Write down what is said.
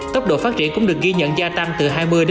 tốc độ phát triển cũng được ghi nhận gia tăng từ hai mươi ba mươi